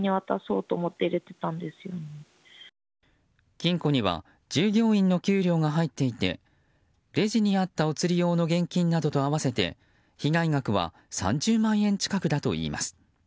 金庫には従業員の給料が入っていてレジにあったお釣り用の現金などと合わせて被害額は３０万円近くだといいます。